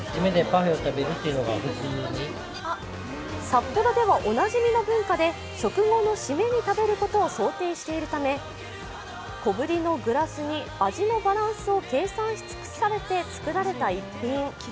札幌ではおなじみの文化で、食後のシメに食べることを想定しているため、小ぶりのグラスに味のバランスを計算し尽くして作られた１品。